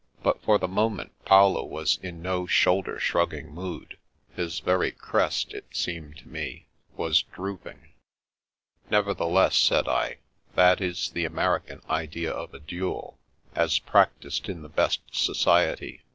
But for the moment Paolo was in no shoulder shrug ging mood. His very crest — it seemed to me — ^was drooping. " Nevertheless," said I, " that is the American idea of a duel, as practised in the best society.